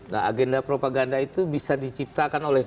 nah agenda propaganda itu bisa diciptakan oleh